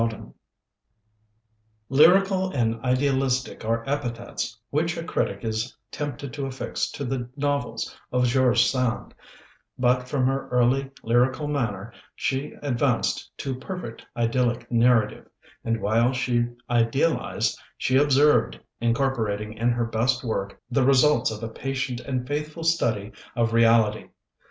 III Lyrical and idealistic are epithets which a critic is tempted to affix to the novels of George Sand; but from her early lyrical manner she advanced to perfect idyllic narrative; and while she idealised, she observed, incorporating in her best work the results of a patient and faithful study of reality.